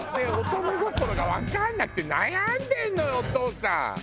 乙女心がわかんなくて悩んでるのよお父さん。